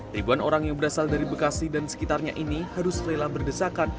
ribuan orang yang berasal dari bekasi dan sekitarnya ini harus rela berdesakan